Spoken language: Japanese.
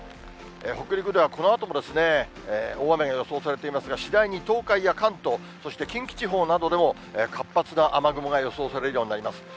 北陸ではこのあともですね、大雨が予想されていますが、次第に東海や関東、そして近畿地方などでも、活発な雨雲が予想されるようになります。